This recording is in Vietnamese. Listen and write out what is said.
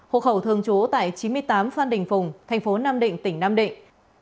hộ khẩu thường trú tại chín mươi tám phan đình phùng thành phố nam định tỉnh nam định